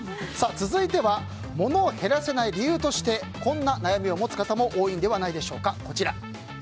続いては物を減らせない理由としてこんな悩みを持つ方も多いのではないでしょうか。